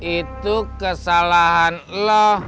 itu kesalahan lo